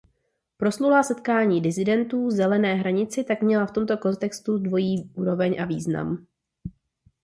Proslulá setkání disidentů „zelené“ hranici tak měla v tomto kontextu dvojí úroveň a význam.